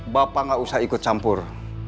bapak gak usah ikut campur